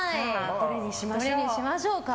どれにしましょう。